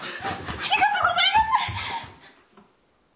ありがとうございます！